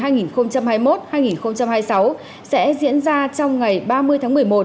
giai đoạn hai nghìn hai mươi một hai nghìn hai mươi sáu sẽ diễn ra trong ngày ba mươi tháng một mươi một